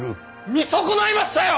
見損ないましたよ！